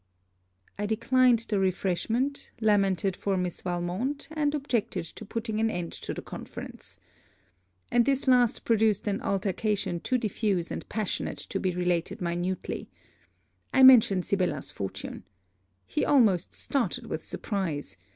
I declined the refreshment, lamented for Mrs. Valmont, and objected to putting an end to the conference. And this last produced an altercation too diffuse and passionate to be related minutely. I mentioned Sibella's fortune. He almost started with surprise.